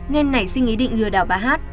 nên nảy sinh ý định lừa đào bà hát